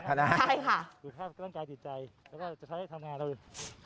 สุข่าวอาการกลางกายดีใจแล้วก็จะใช้ให้ทำงานเลย